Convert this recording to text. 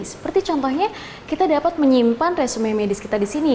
seperti contohnya kita dapat menyimpan resume medis kita di sini